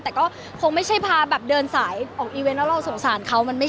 แต่ก็คงไม่ใช่พาแบบเดินสายออกอีเวนต์แล้วเราสงสารเขามันไม่ใช่